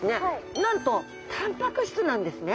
なんとたんぱく質なんですね。